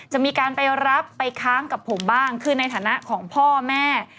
จะมีการไปรับไปค้างกับผมบ้างคือในฐานะของพ่อแม่